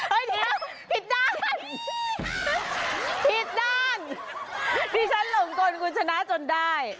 เฮ้ยเดี๋ยวพิดด้านพิดด้านที่ฉันหล่มตนกูชนะจนได้